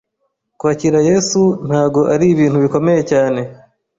Kwakira Yesu ntago ari ibintu bikomeye cyane,